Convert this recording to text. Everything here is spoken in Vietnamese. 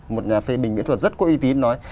một nhà phê bình mỹ thuật rất có uy tín nói